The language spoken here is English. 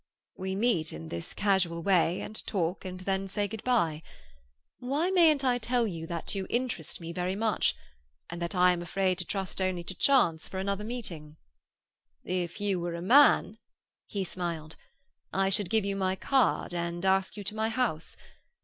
"We meet in this casual way, and talk, and then say good bye. Why mayn't I tell you that you interest me very much, and that I am afraid to trust only to chance for another meeting? If you were a man"—he smiled—"I should give you my card, and ask you to my house.